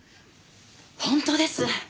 本当です。